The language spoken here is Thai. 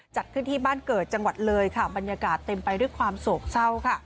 จัดขึ้นที่บ้านเกิดจังหวัดเลยค่ะบรรยากาศเต็มไปด้วยความโศกเศร้าค่ะ